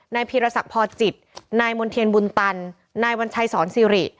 พีรศักดิ์พอจิตนายมณ์เทียนบุญตันนายวัญชัยสอนซิริ